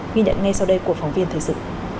ghi nhận ngay sau đây của phóng viên thời sự